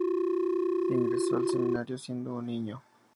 Ingresó al Seminario siendo un niño.